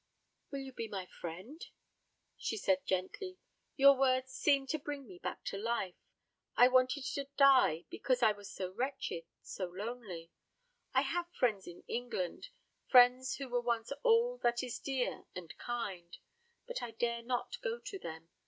"Will you be my friend?" she said gently. "Your words seem to bring me back to life. I wanted to die because I was so wretched, so lonely. I have friends in England friends who were once all that is dear and kind; but I dare not go to them.